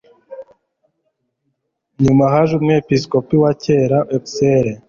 Nyuma haje umwepiskopi wa kera Auxerre